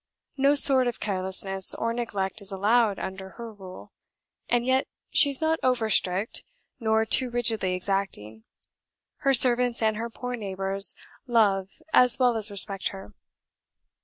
No sort of carelessness or neglect is allowed under her rule, and yet she is not over strict, nor too rigidly exacting: her servants and her poor neighbours love as well as respect her.